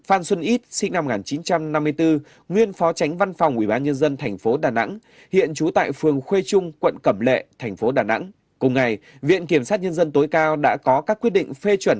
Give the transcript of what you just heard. ẩm lệ thành phố đà nẵng cùng ngày viện kiểm sát nhân dân tối cao đã có các quyết định phê chuẩn